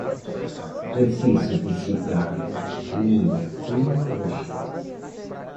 Preciso visitar minha prima hoje.